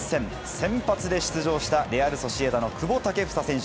先発で出場したレアル・ソシエダの久保建英選手。